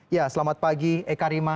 ya selamat pagi eka rima